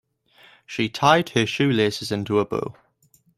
She tied her shoelaces into a bow.